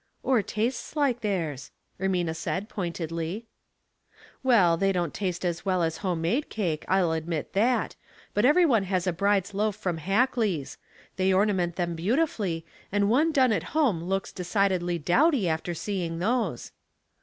" Or tastes like theirs," Ermina said, point edly. Well, they don't taste as well as home made cake, I'll admio that ; but every one has a bride's loaf from Hackley's. They ornament them beautifully, and one done at home looks deci dedly dowdy after seeing those."